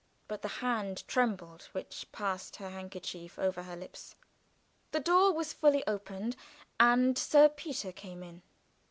But the hand trembled which passed her handkerchief over her lips. The door was fully opened, and Sir Peter came in.